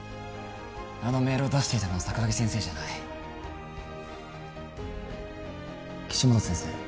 あのメールを出していたのは桜木先生じゃない岸本先生